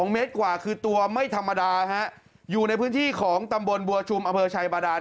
เมตรกว่าคือตัวไม่ธรรมดาฮะอยู่ในพื้นที่ของตำบลบัวชุมอำเภอชัยบาดาน